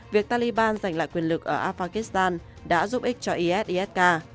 việc taliban giành lại quyền lực ở afghanistan đã giúp ích cho is isk